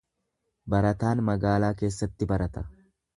Barataan magaalaa keessatti barata.